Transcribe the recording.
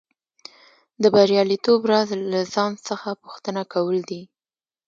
د بریالیتوب راز له ځان څخه پوښتنه کول دي